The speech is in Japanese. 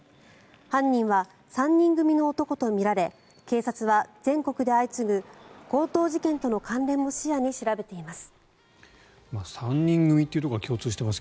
犯人は３人組の男とみられ警察は全国で相次ぐ強盗事件との関連も視野に調べています。